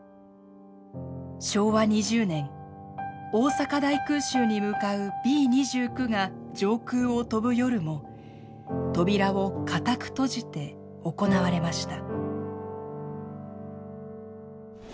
昭和２０年大阪大空襲に向かうＢ２９が上空を飛ぶ夜も扉を固く閉じて行われました。